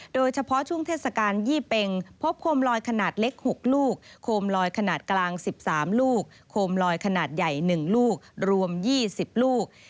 โดยเฉพาะช่วงเทศกาลยี่เป็งพบโคมลอยขนาดเล็ก๖ลูกโคมลอยขนาดกลาง๑๓ลูกโคมลอยขนาดใหญ่๑ลูกรวม๒๐ลูก